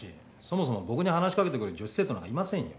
そもそも僕に話しかけてくる女子生徒なんかいませんよ。